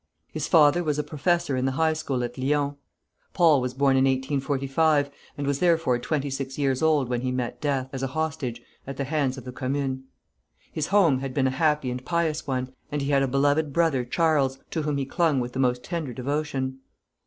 His father was a professor in the high school at Lyons. Paul was born in 1845, and was therefore twenty six years old when he met death, as a hostage, at the hands of the Commune. His home had been a happy and pious one, and he had a beloved brother Charles, to whom he clung with the most tender devotion.